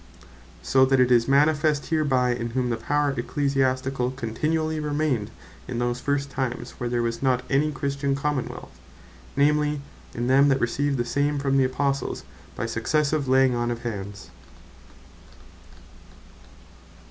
So that it is manifest hereby, in whom the Power Ecclesiasticall continually remained, in those first times, where there was not any Christian Common wealth; namely, in them that received the same from the Apostles, by successive laying on of hands.